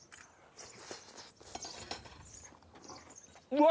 うわ！